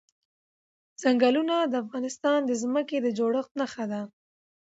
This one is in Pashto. چنګلونه د افغانستان د ځمکې د جوړښت نښه ده.